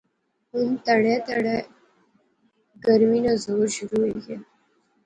ہُن تیہڑے تیہڑے گرمی نا زور شروع ہوئی غیا